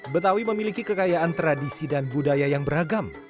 betawi memiliki kekayaan tradisi dan budaya yang beragam